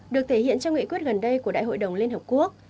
được thể hiện trong nghị quyết gần đây của đại hội đồng liên hợp quốc